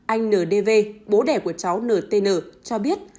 anh ntv bố đẻ của cháu ntv cho biết